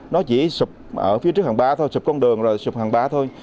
nó chỉ sụp ở phía trước hàng ba thôi sụp con đường rồi sụp hàng ba thôi